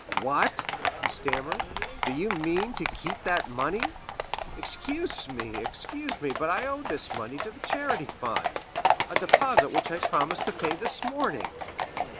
"What," he stammered, "do you mean to keep that money? Excuse me, excuse me, but I owe this money to the charity fund,—a deposit which I promised to pay this morning."